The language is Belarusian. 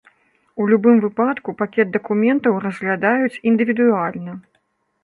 У любым выпадку, пакет дакументаў разглядаюць індывідуальна.